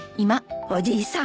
おじいさん